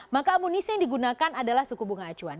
maka amunisi yang digunakan adalah suku bunga acuan